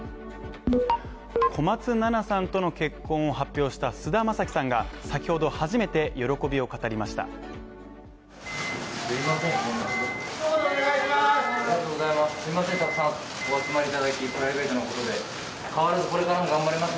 小松菜奈さんとの結婚を発表した菅田将暉さんが先ほど初めて喜びを語りました。